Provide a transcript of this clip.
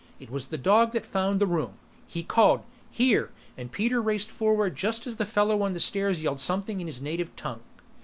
It was the dog that found the room. He called, "Here!" and Peter raced forward just as the fellow on the stairs yelled something in his native tongue.